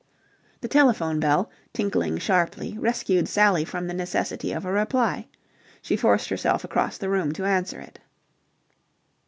The telephone bell, tinkling sharply, rescued Sally from the necessity of a reply. She forced herself across the room to answer it.